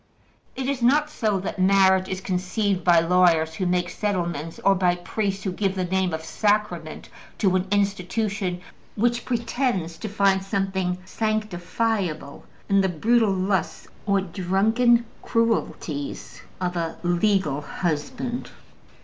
It is not so that marriage is conceived by lawyers who make settlements, or by priests who give the name of ``sacrament'' to an institution which pretends to find something sanctifiable in the brutal lusts or drunken cruelties of a legal husband.